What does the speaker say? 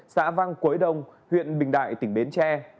xã vang quấy đông huyện bình đại tỉnh bến tre